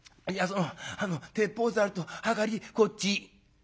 そのあの鉄砲ざるとはかりこっち」。